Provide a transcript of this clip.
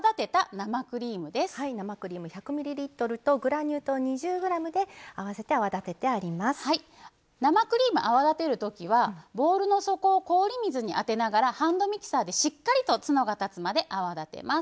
生クリーム、泡立てるときはボウルの底を氷水に当てながらハンドミキサーでしっかりとツノが立つまで泡立てます。